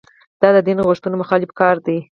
دا د دین غوښتنو مخالف کار دی.